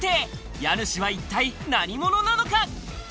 家主は一体何者なのか？